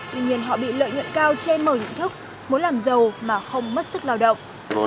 tuy nhiên họ bị lợi nhuận cao che mở nhận thức muốn làm giàu mà không mất sức lao động